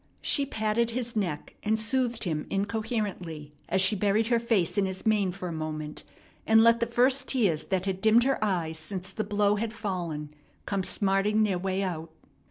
She patted his neck and soothed him incoherently, as she buried her face in his mane for a moment, and let the first tears that had dimmed her eyes since the blow had fallen come smarting their way out.